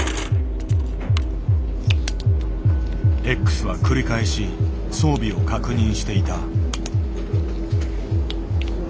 Ｘは繰り返し装備を確認していた。